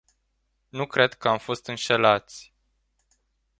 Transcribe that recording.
Nu cred că am fost înșelați.